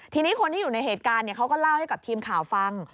ทีนี้คนที่อยู่ในเหตุการณ์เขาก็เล่าให้กับทีมข่าวฟัง